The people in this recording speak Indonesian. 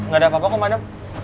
gak ada apa apa kok madap